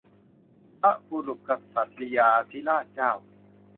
พระบุรพกษัตริยาธิราชเจ้า